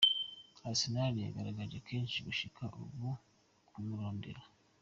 Arsenal yaragerageje kenshi gushika ubu kumurondera.